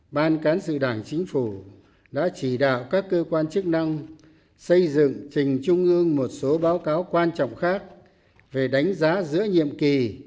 ban cán sự đảng chính phủ đã chỉ đạo các cơ quan chức năng xây dựng trình trung ương một số báo cáo quan trọng khác về đánh giá giữa nhiệm kỳ